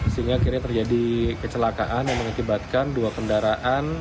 sehingga akhirnya terjadi kecelakaan yang mengakibatkan dua kendaraan